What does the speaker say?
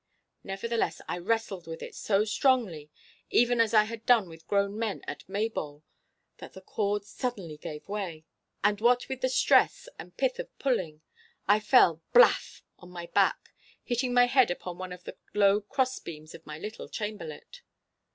Nevertheless I wrestled with it so strongly, even as I had done with grown men at Maybole, that the cord suddenly gave way. And what with the stress and pith of pulling, I fell blaff on my back, hitting my head upon one of the low cross beams of my little chamberlet.